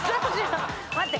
待って。